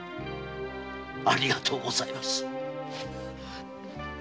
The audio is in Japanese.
ありがとうございます。